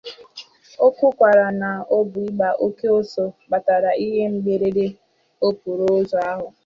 O kwukwara na ọ bụ ịgba oke ọsọ kpatara ihe mberede okporoụzọ ahụ.